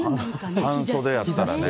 半袖やったらね。